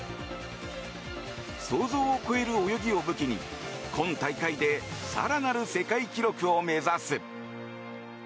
想像を超える泳ぎを武器に今大会で更なる世界記録を目指す。